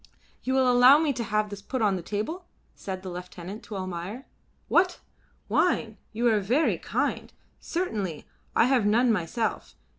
"You will allow me to have this put upon the table?" said the lieutenant to Almayer. "What! Wine! You are very kind. Certainly, I have none myself.